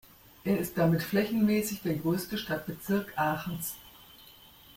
Er ist damit flächenmäßig der größte Stadtbezirk Aachens.